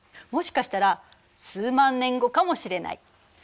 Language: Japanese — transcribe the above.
もしかしたら数万年後かもしれない。